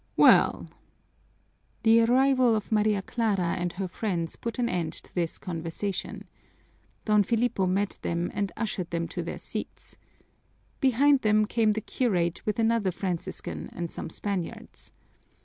Well " The arrival of Maria Clara and her friends put an end to this conversation. Don Filipo met them and ushered them to their seats. Behind them came the curate with another Franciscan and some Spaniards.